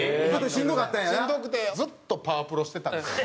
しんどくてずっと『パワプロ』してたんですよ。